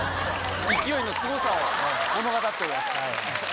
勢いのすごさを物語ってます。